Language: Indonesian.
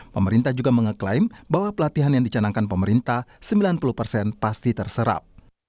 pemerintah juga mengeklaim bahwa pelatihan yang dicanangkan pemerintah sembilan puluh persen pasti terserap